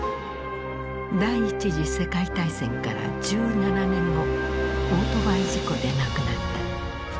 第一次世界大戦から１７年後オートバイ事故で亡くなった。